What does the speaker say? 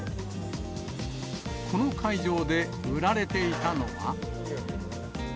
この会場で売られていたのは。